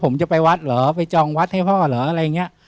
ผมจะไปจองวัดหรออะไรเนี้ย